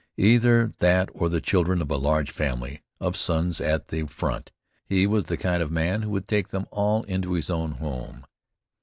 Either that or the children of a large family of sons at the front. He was the kind of man who would take them all into his own home.